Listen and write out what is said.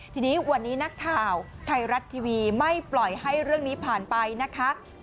ทีนี้วันนี้นักข่าวไทยรัฐทีวีไม่ปล่อยให้เรื่องนี้ผ่านไปนะคะ